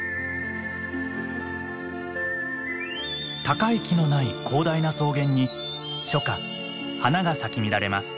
高い木のない広大な草原に初夏花が咲き乱れます。